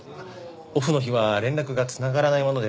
オフの日は連絡が繋がらないもので。